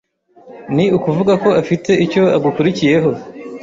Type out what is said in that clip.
Ni ukuvuga ko afite icyo agukurikiyeho